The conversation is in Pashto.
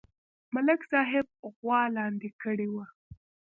ملک صاحب غوا لاندې کړې وه